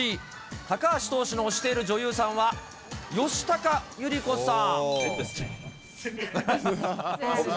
高橋投手の推している女優さんは吉高由里子さん。